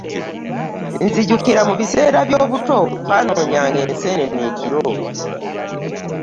Nzijukira mu biseera byobuto, twanoonyanga ensenene ekiro.